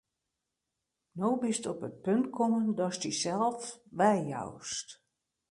No bist op it punt kommen, datst dysels weijoust.